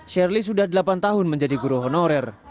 shirley sudah delapan tahun menjadi guru honorer